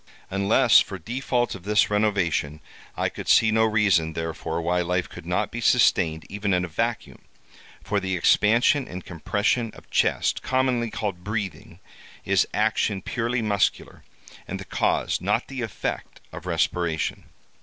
Unless for default of this renovation, I could see no reason, therefore, why life could not be sustained even in a vacuum; for the expansion and compression of chest, commonly called breathing, is action purely muscular, and the cause, not the effect, of respiration.